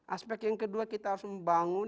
aspek yang kedua kita harus membangun